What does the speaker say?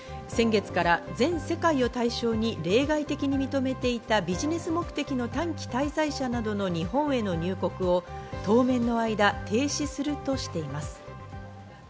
全世界を対象に例外的に認めていたビジネス目的の短期滞在者の日本への入国を当面の間、停止するとしています。